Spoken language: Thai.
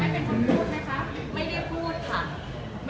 เราไม่ได้เป็นคนพูดไหมคะ